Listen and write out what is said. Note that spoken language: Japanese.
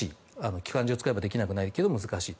機関銃を使えばできなくはないけど難しいと。